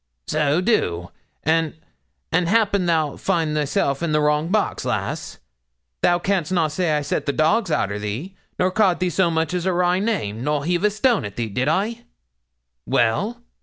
'So do, and and 'appen thou'lt find thyself in the wrong box, lass; thou canst na' say I set the dogs arter thee, nor cau'd thee so much as a wry name, nor heave a stone at thee did I? Well?